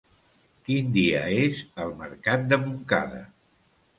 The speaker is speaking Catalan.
Quin dia és el mercat de Montcada?